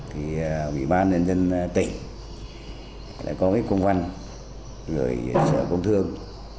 thì ủy ban nhân dân tỉnh lại có cái công văn gửi sở công thương